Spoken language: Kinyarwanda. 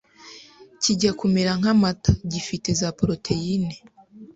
kijya kumera nk’amata gifite za Poroteyine